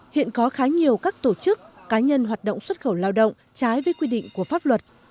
hiện có khá nhiều các tổ chức cá nhân hoạt động xuất khẩu lao động trái với quy định của pháp luật